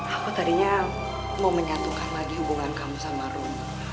aku tadinya mau menyatukan lagi hubungan kamu sama room